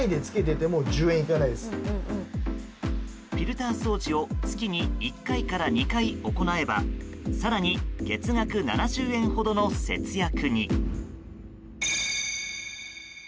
フィルター掃除を月に１回から２回行えば更に月額７０円ほどの節約に。